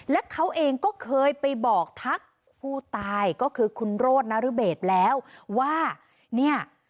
และเขาเองก็เคยไปบอกทักผู้ตายก็คือคุณโรธนรเบศแล้วว่าเนี่ย